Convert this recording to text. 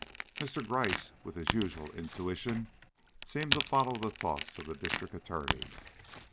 Mr. Gryce, with his usual intuition, seemed to follow the thoughts of the District Attorney.